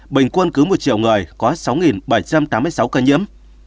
bình quân cứ một triệu người có sáu bảy trăm tám mươi sáu ca nhiễm